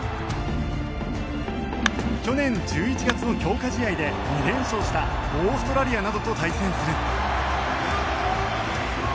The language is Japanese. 去年１１月の強化試合で２連勝したオーストラリアなどと対戦する。